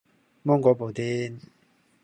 芒果布甸